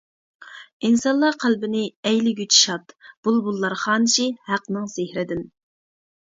ئىنسانلار قەلبىنى ئەيلىگۈچى شاد، بۇلبۇللار خانىشى ھەقنىڭ سېھرىدىن.